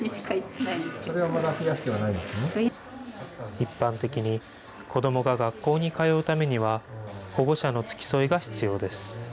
一般的に、子どもが学校に通うためには、保護者の付き添いが必要です。